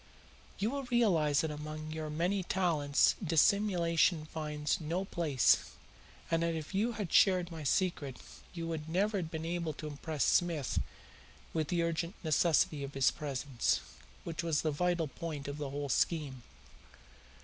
You will realize that among your many talents dissimulation finds no place, and that if you had shared my secret you would never have been able to impress Smith with the urgent necessity of his presence, which was the vital point of the whole scheme.